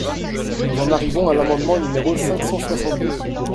Nous en arrivons à l’amendement numéro cinq cent soixante-deux.